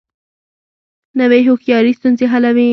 نوې هوښیاري ستونزې حلوي